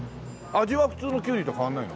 味は普通のきゅうりと変わらないの？